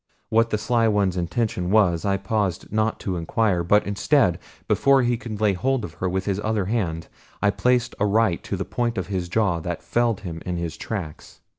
What the Sly One's intention was I paused not to inquire; but instead, before he could lay hold of her with his other hand, I placed a right to the point of his jaw that felled him in his tracks.